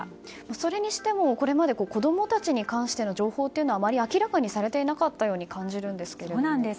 それにしても、これまで子供たちに関しての情報はあまり明らかにされていなかったように感じるんですけども。